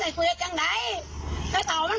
มันเป็นวันเรียงมันเป็นวันเรียง